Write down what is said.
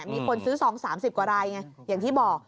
มีคนซื้อซอง๓๐กว่ารายไงอย่างที่บอก